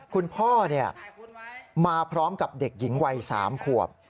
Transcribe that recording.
คุณพ่อมาพร้อมกับเด็กหญิงวัย๓ขวบ